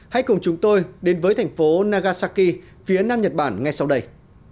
hãy cùng chúng tôi đến với thành phố nagasaki phía nam nhật bản ngay sau đây